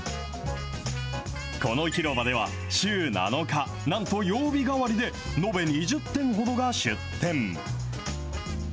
この広場では週７日、なんと曜日替わりで延べ２０店ほどが出店。